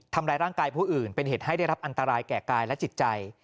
ทำร้ายร่างกายผู้อื่นเป็นเหตุให้ได้รับอันตรายแก่กายและจิตใจ